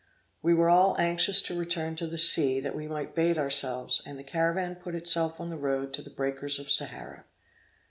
We were all anxious to return to the sea, that we might bathe ourselves, and the caravan put itself on the road to the breakers of Sahara.